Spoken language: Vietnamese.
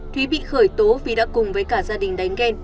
thúy bị khởi tố vì đã cùng với cả gia đình đánh ghen